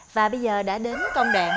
và bây giờ đã đến công đoạn